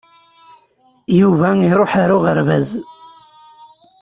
Yuba iṛuḥ ar uɣerbaz.